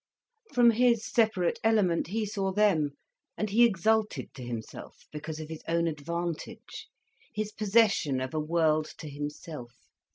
From his separate element he saw them and he exulted to himself because of his own advantage, his possession of a world to himself.